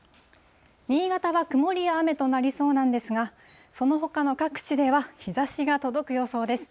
新潟は曇りや雨となりそうなんですが、そのほかの各地では、日ざしが届く予想です。